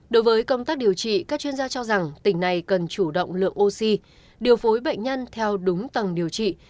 đối với công tác điều trị các chuyên gia cho rằng tỉnh này cần chủ động lượng oxy điều phối bệnh nhân theo đúng tầng điều trị